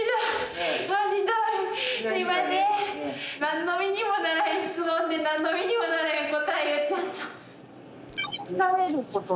すいません何の身にもならへん質問で何の身にもならへん答え言っちゃった。